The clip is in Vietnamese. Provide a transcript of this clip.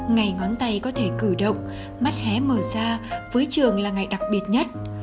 ngày ngón tay có thể cử động mắt hé mở ra với trường là ngày đặc biệt nhất